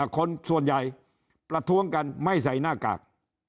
คนส่วนใหญ่ประท้วงกันไม่ใส่หน้ากาก